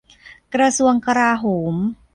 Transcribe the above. กระทรวงกลาโหม